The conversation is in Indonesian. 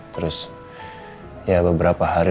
terus ya beberapa hari